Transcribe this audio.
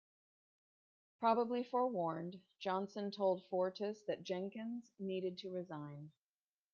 Probably forewarned, Johnson told Fortas that Jenkins needed to resign.